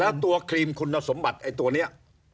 แล้วตัวครีมคุณสมบัติไอ้ตัวนี้